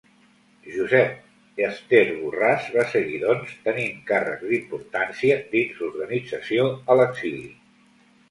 Josep Ester Borràs va seguir, doncs, tenint càrrecs d'importància dins l'organització a l'exili.